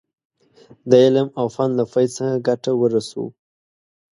د علم او فن له فیض څخه ګټه ورسوو.